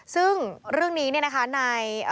ซึ่งเรื่องนี้เนี่ยนะคะใน